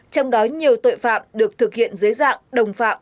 trong đó nhiều tội phạm được thực hiện dưới dạng đồng phạm